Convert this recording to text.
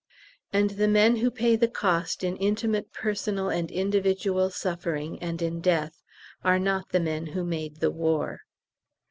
And the men who pay the cost in intimate personal and individual suffering and in death are not the men who made the war.